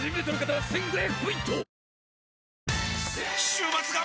週末が！！